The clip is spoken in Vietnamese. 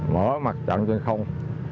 mở mặt trận trên không